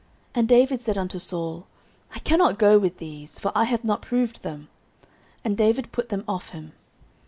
And David said unto Saul, I cannot go with these; for I have not proved them. And David put them off him.